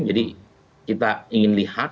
jadi kita ingin lihat